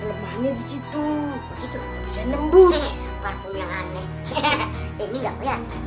lemahnya disitu gitu bisa nembus parfum yang aneh ini gak keliatan